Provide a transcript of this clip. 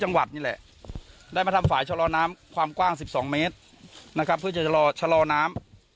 เจ้าหวัดนี่แหละได้มาทำฝ่ายชะลซาวน้ำความกว้างสิบสองเมตรนะคะเพื่อจะชะลง